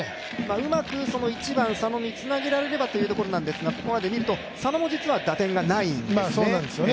うまく１番、佐野につなげられればというところですがここまで見ると佐野も実は打点がないんですね。